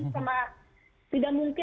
sama tidak mungkin